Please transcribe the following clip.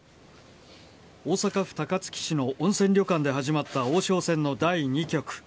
大阪府高槻市の温泉旅館で始まった王将戦の第２局。